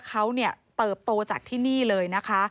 เขาเติบโตจากที่นี่เลยนะคะ